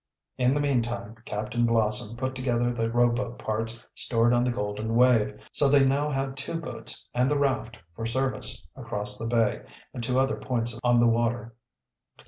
In the meantime Captain Blossom put together the rowboat parts stored on the Golden Wave, so they now had two boats and the raft for service across the bay and to other points on the water.